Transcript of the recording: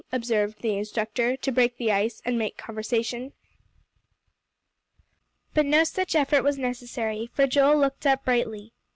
observed the instructor, to break the ice, and make conversation. But no such effort was necessary, for Joel looked up brightly.